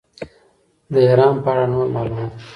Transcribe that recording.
د ایران په اړه نور معلومات.